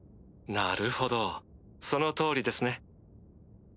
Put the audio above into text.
なるほどその通りですね。